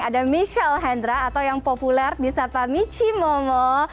ada michelle hendra atau yang populer di sapa michimomo